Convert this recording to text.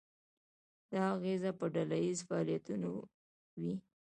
دا اغیزه په ډله ییزو فعالیتونو وي.